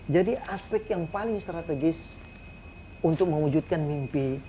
jadi aspek yang paling strategis untuk mewujudkan mimpi